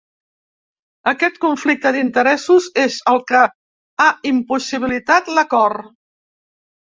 Aquest conflicte d’interessos és el que ha impossibilitat l’acord.